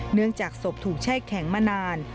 เนื่องจากศพถูกแช่แข็งมานาน